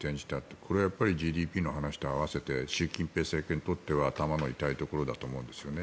これはＧＤＰの話と併せて習近平政権にとっては頭の痛いところだと思うんですよね。